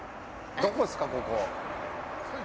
どこですか、ここ？